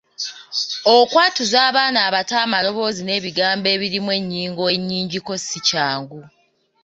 Okwatuza abaana abato amaloboozi n’ebigambo ebirimu ennyingo ennyingiko si kyangu.